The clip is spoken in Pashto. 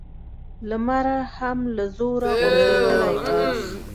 لمر هم له زوره غورځېدلی و.